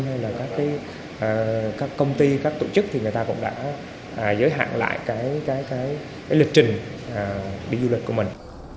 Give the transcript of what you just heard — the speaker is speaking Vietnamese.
do đó đa phần các bậc phụ huynh các công ty các tổ chức cũng đã giới hạn lại lịch trình đi du lịch của mình